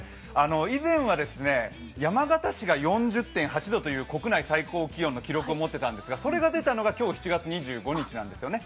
以前は山形市が４０．８度という国内最高気温の記録を持っていたんですがそれが出たのが今日７月２５日なんですね。